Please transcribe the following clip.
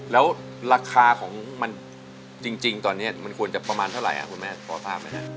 แล้วราคาของมันจริงตอนนี้มันควรจะประมาณเท่าไหร่คุณแม่พอทราบไหมฮะ